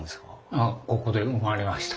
ああここで生まれました。